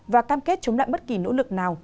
và cam kết chống lại bất kỳ nỗ lực nào